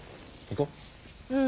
行こう。